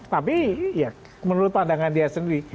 tapi ya menurut pandangan dia sendiri